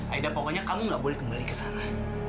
aida pokoknya kamu gak boleh kembali ke sana